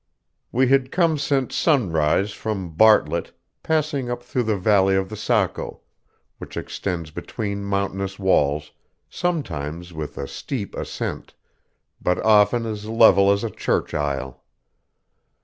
We had come since sunrise from Bartlett, passing up through the valley of the Saco, which extends between mountainous walls, sometimes with a steep ascent, but often as level as a church aisle.